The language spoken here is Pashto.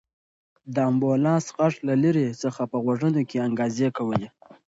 د امبولانس غږ له لرې څخه په غوږونو کې انګازې کولې.